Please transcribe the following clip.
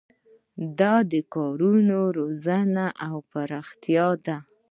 دا د کادرونو روزنه او پراختیا ده.